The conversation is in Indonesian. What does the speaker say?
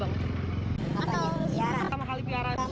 ini janggut hitam